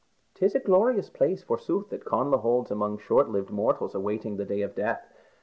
"'Tis a glorious place, forsooth, that Connla holds among short lived mortals awaiting the day of death.